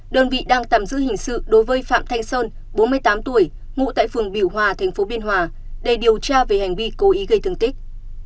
đơn vị đang tạm giữ hình sự đối với phạm thanh sơn bốn mươi tám tuổi ngụ tại phường biểu hòa tp biên hòa để điều tra về hành vi cố ý gây thương tích